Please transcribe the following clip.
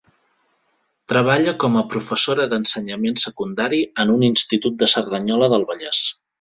Treballa com a professora d’ensenyament secundari en un Institut de Cerdanyola del Vallès.